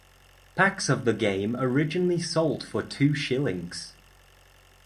Packs of the game originally sold for two shillings.